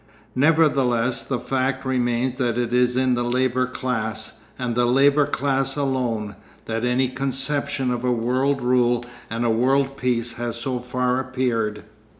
Nevertheless, the fact remains that it is in the labour class, and the labour class alone, that any conception of a world rule and a world peace has so far appeared.